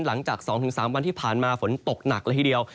หลังจาก๒๓วันที่ผ่านมาฝนตกหนักละทีเดียว